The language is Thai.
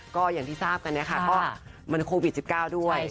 ก็อย่างที่ทราบกันเนี่ยค่ะก็มันโควิด๑๙ด้วย